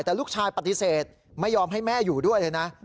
แต่ลูกชายปฏิเสธไม่ยอมให้แม่อยู่ด้วยเลยนะ